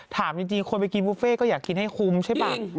ถามจริงคนไปกินบุฟเฟ่ก็อยากกินให้คุ้มใช่ป่ะ